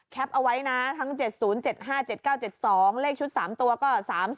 แคปเอาไว้นะทั้ง๗๐๗๕๗๙๗๒เลขชุด๓ตัวก็๓๒๗๓๗๙๑๗๓